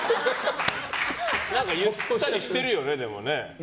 何か言ったりしてるよね。